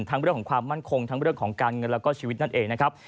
เรื่องของความมั่นคงทั้งเรื่องของการเงินแล้วก็ชีวิตนั่นเองนะครับ